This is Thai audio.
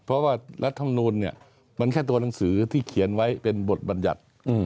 เพราะว่ารัฐมนูลเนี่ยมันแค่ตัวหนังสือที่เขียนไว้เป็นบทบรรยัติ